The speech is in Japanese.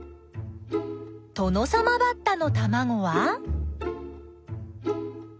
トノサマバッタのたまごは。